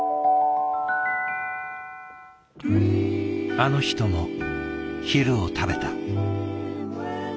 あの人も昼を食べた。